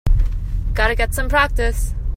Got to get some practice.